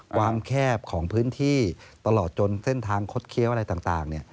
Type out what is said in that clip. ความแคบของพื้นที่ตลอดจนเส้นทางคดเคี้ยวอะไรต่าง